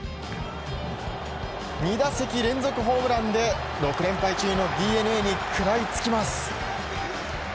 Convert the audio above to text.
２打席連続ホームランで６連敗中のＤｅＮＡに食らいつきます。